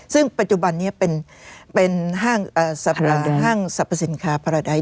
ซึ่งปัจจุบันนี้เป็นห้างสรรพสินค้าภาระใด